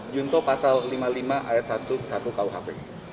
junto pasal lima puluh lima ayat satu satu kuhp